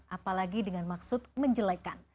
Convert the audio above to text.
apalagi dengan maksud menjelekan